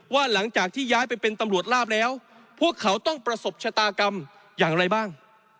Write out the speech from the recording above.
หลังจากที่ย้ายไปเป็นตำรวจลาบแล้วพวกเขาต้องประสบชะตากรรมอย่างไรบ้าง